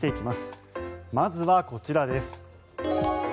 まずはこちらです。